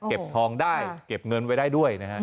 เก็บทองได้เก็บเงินไว้ได้ด้วยนะครับ